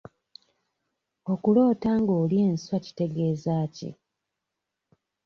Okuloota nga olya enswa kitegeeza ki?